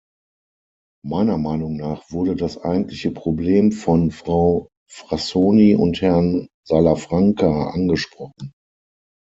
Meiner Meinung nach wurde das eigentliche Problem von Frau Frassoni und Herrn Salafranca angesprochen.